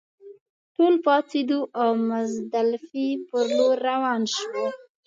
ټول پاڅېدو او مزدلفې پر لور روان شوو.